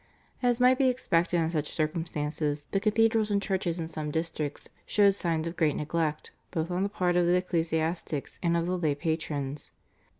As might be expected in such circumstances, the cathedrals and churches in some districts showed signs of great neglect both on the part of the ecclesiastics and of the lay patrons.